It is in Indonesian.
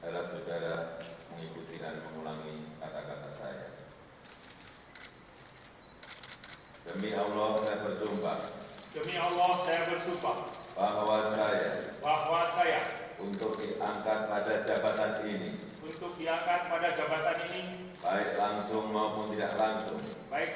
lalu kebangsaan indonesia baik